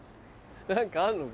何かあんのかな。